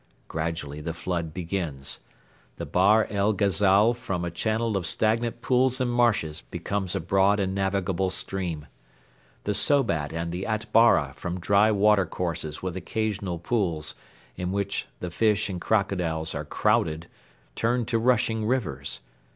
Gradually the flood begins. The Bahr el Ghazal from a channel of stagnant pools and marshes becomes a broad and navigable stream. The Sobat and the Atbara from dry watercourses with occasional pools, in which the fish and crocodiles are crowded, turn to rushing rivers.